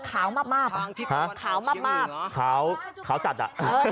แล้วขาวมาบเขาจัดอะ